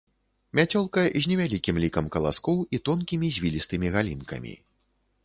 Мяцёлка з невялікім лікам каласкоў і тонкімі звілістымі галінкамі.